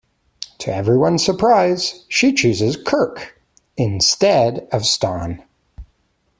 To everyone's surprise, she chooses Kirk instead of Stonn.